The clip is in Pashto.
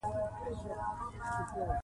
کیمیاګر د کیسې په پای کې ملګری کیږي.